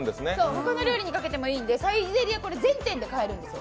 他の料理にかけてもいいんで、サイゼリヤ全店で買えるんで。